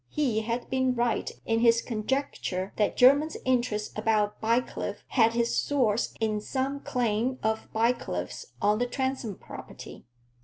He had been right in his conjecture that Jermyn's interest about Bycliffe had its source in some claim of Bycliffe's on the Transome property.